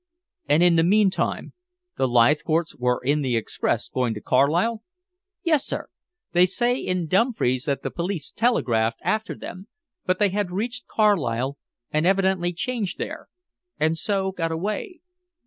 "And in the meantime the Leithcourts were in the express going to Carlisle?" "Yes, sir. They say in Dumfries that the police telegraphed after them, but they had reached Carlisle and evidently changed there, and so got away."